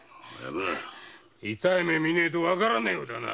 痛い目をみねえとわからねえようだな。